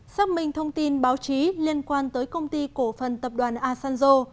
xác minh thông tin báo chí liên quan tới công ty cổ phần tập đoàn asanzo